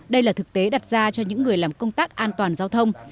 đây là thực tế đặt ra cho những người làm công tác an toàn giao thông